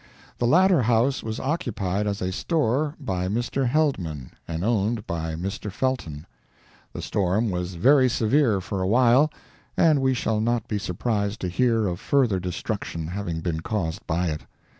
The latter house was occupied as a store by Mr. Heldman, and owned by Mr. Felton. The storm was very severe for a while, and we shall not be surprised to hear of further destruction having been caused by it.